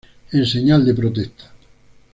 en señal de protesta